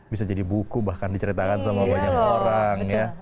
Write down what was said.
bisa jadi buku bahkan diceritakan sama banyak orang ya